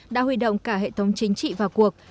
đã huy động cả hệ thống chính trị vào cuộc